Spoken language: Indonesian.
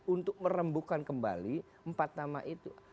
untuk merembukan kembali empat nama itu